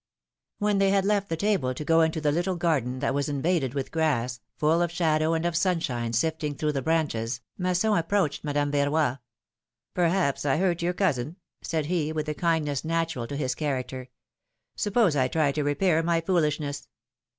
HEN they had left the table to go into the little V V garden, that was invaded with grass, full of shadow and of sunshine sifting through the branches, Masson approached Madame Verroy. Perhaps I hurt your cousin said he, with the kind ness natural to his character. Suppose I try to repair my foolishness?